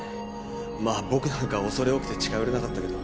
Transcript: まあ僕なんか恐れ多くて近寄れなかったけど。